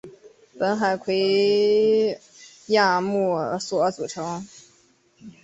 本海葵亚目所组成。